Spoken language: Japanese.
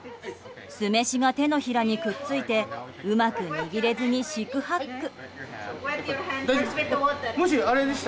酢飯が手のひらにくっついてうまく握れずに四苦八苦。